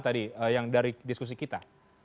tadi yang dari diskusi kita